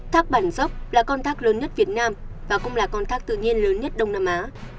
thác bản dốc là con thác lớn nhất việt nam và cũng là con thác tự nhiên lớn nhất đông nam á